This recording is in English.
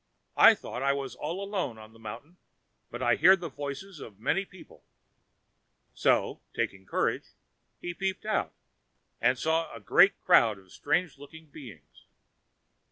I thought I was all alone in the mountain, but I hear the voices of many people." So, taking courage, he peeped out, and saw a great crowd of strange looking beings.